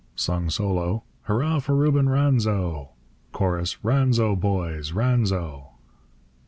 Solo. Hurrah for Reuben Ranzo! Chorus. Ranzo, boys, Ranzo!